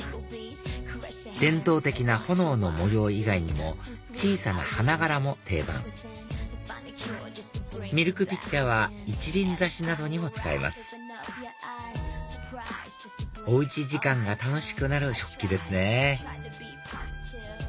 伝統的な炎の模様以外にも小さな花柄も定番ミルクピッチャーは一輪挿しなどにも使えますお家時間が楽しくなる食器ですね